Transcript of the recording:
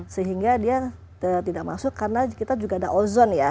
sehingga dia tidak masuk karena kita juga ada ozon ya